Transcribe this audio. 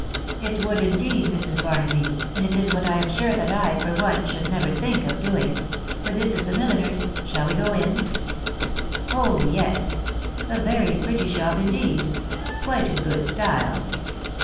" It would, indeed, Mrs. Barnaby, and it is what I am sure that I, for one, should never think of doing. ..• But this is the milliner's. ..• Shall we go in ?"" Oh yes !.... A very pretty shop indeed ; quite in good style.